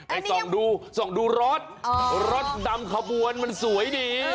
ส่องดูส่องดูรถรถดำขบวนมันสวยดี